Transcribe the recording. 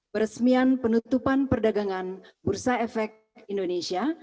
peresmian penutupan perdagangan bursa efek indonesia